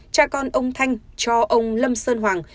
cha con ông thanh cho ông lâm sơn hoàng